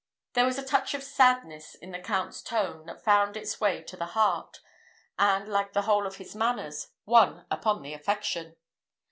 There was a touch of sadness in the Count's tone that found its way to the heart, and, like the whole of his manners, won upon the affection.